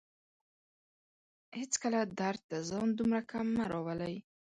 هيڅکله درد ته ځان دومره کم مه راولئ